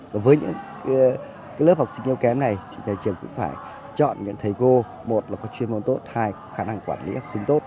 và với những lớp học sinh yếu kém này trường cũng phải chọn những thầy cô một là có chuyên môn tốt hai là có khả năng quản lý học sinh tốt